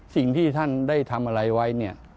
สิ่งที่ท่านได้ทำอะไรไว้เนี่ย